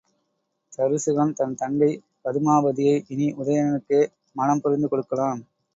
தருசகன் தன் தங்கை பதுமாபதியை இனி உதயணனுக்கே மணம் புரிந்து கொடுக்கலாம்.